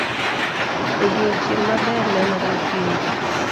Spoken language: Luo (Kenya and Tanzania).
Odiochieng' maber nenore okinyi.